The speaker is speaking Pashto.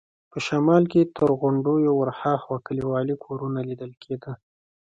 په شمال کې تر غونډیو ورهاخوا کلیوالي کورونه لیدل کېده.